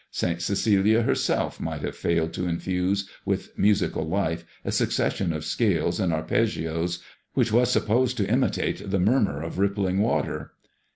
St. Cecilia herself might have failed to infuse with musical life a succession of scales and arpeggios which was supposed to imitate the murmur of rippling water.